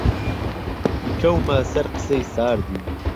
یکەومە سەر قسەی ساردی